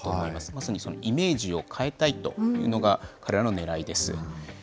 まさにそのイメージを変えたいというのが彼らのねらいです。